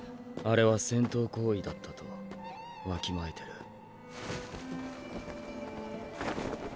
あれは戦闘行為だったと弁えてる。